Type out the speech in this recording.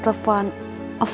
kau belum datang juga ma